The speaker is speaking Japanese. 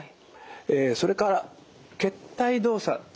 それから結帯動作といいます。